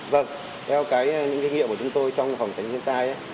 vâng theo những kinh nghiệm của chúng tôi trong phòng tránh thiên tai